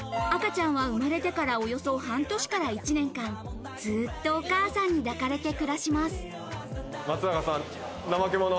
赤ちゃんは生まれてからおよそ半年から１年間、ずっとお母さんに松永さん、ナマケモノ